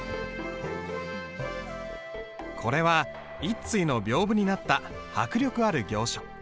これは一対の屏風になった迫力ある行書。